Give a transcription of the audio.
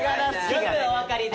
よくおわかりで。